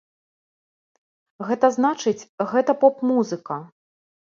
Гэта значыць, гэта поп музыка.